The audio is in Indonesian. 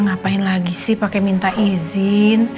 ngapain lagi sih pakai minta izin